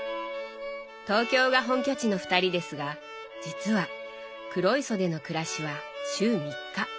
東京が本拠地の二人ですが実は黒磯での暮らしは週３日。